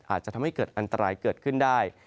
อาจจะทำให้เกิดอันตรายเกิดขึ้นได้